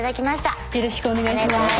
よろしくお願いします。